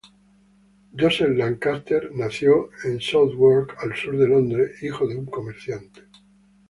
Joseph Lancaster nació en Southwark, al sur de Londres, hijo de un comerciante.